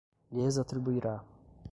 lhes atribuirá